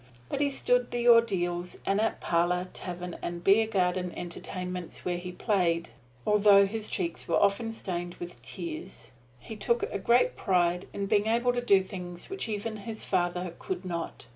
But he stood the ordeals, and at parlor, tavern and beer garden entertainments where he played, although his cheeks were often stained with tears, he took a sort of secret pride in being able to do things which even his father could not.